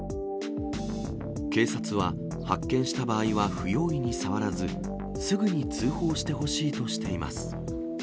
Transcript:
警察は、発見した場合は不用意に触らず、すぐに通報してほしいとしています。